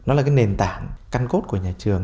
nó là cái nền tảng căn cốt của nhà trường